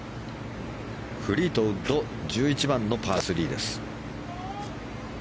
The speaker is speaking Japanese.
フリートウッド１１番のパー３です。